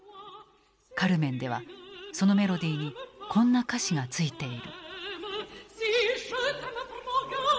「カルメン」ではそのメロディーにこんな歌詞がついている。